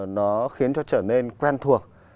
nó khiến cho trở nên quen thuộc